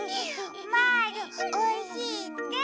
まぁるおいしいって！